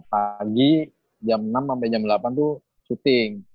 pagi jam enam sampe jam delapan tuh shooting